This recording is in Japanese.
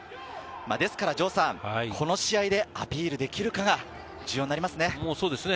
ですから、この試合でアピールできるかが重要になりますね。